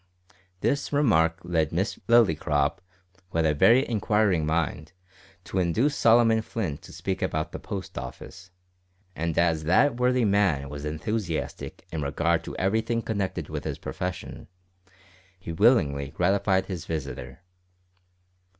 This remark led Miss Lillycrop, who had a very inquiring mind, to induce Solomon Flint to speak about the Post Office, and as that worthy man was enthusiastic in regard to everything connected with his profession, he willingly gratified his visitor.